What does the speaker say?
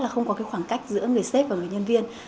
là không có cái khoảng cách giữa người xếp và người nhân viên